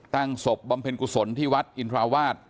ศพบำเพ็ญกุศลที่วัดอินทราวาส